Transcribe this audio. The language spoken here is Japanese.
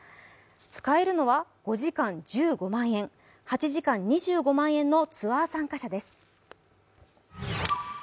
使えるのは５時間１５万円、８時間２５万円のツアー参加者です。